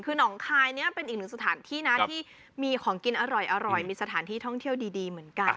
คือหนองคายเนี่ยเป็นอีกหนึ่งสถานที่นะที่มีของกินอร่อยมีสถานที่ท่องเที่ยวดีเหมือนกัน